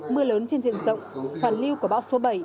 mưa lớn trên diện rộng hoàn lưu của bão số bảy